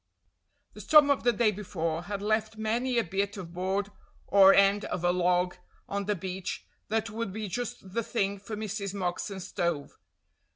The storm of the day before had left many a bit of board or end of a log on the beach that would be just the thing for Mrs. Moxon's stove.